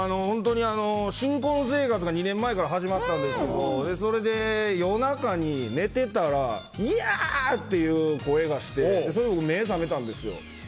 新婚生活が２年前から始まったんですがそれで、夜中に寝ていたらいやー！っていう声がしてそれで僕、目覚めたんですよ。